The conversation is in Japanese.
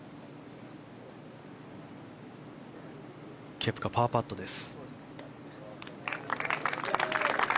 ケプカパーパットです。